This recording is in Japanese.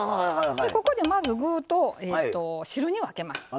ここで具と汁に分けます。